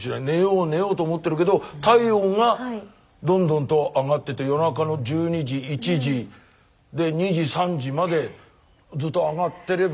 寝よう寝ようと思ってるけど体温がどんどんと上がってて夜中の１２時１時で２時３時までずっと上がってれば